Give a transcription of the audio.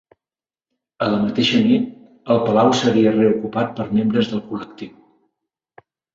A la mateixa nit, el palau seria reocupat per membres del col·lectiu.